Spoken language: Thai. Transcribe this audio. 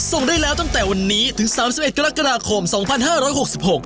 ส่งได้แล้วตั้งแต่วันนี้ถึงสามสิบเอ็ดกรกฎาคมสองพันห้าร้อยหกสิบหก